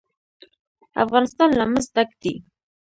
افغانستان له مس ډک دی.